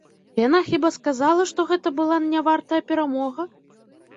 Яна хіба сказала, што гэта была нявартая перамога?